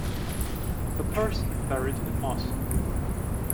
A person buried in moss.